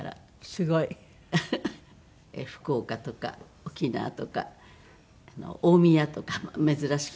すごい。福岡とか沖縄とか大宮とか珍しく。